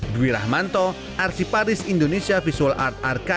duirahmanto arsiparis indonesia visual art arkade